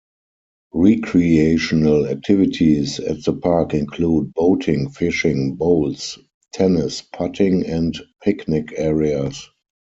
Recreational activities at the park include boating, fishing, bowls, tennis, putting and picnic areas.